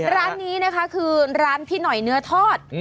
ร้านนี้นะคะคือร้านพี่หน่อยเนื้อทอด